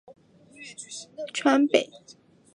川北凉粉是四川南充的著名小吃。